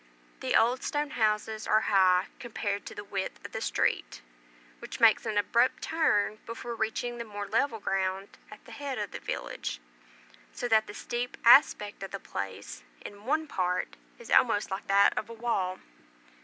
The old stone houses are high compared to the width of the street, which makes an abrupt turn before reaching the more level ground at the head of the village, so that the steep aspect of the place, in one part, is almost like that of a wall.